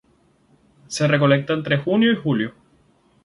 Se recolecta entre junio y julio.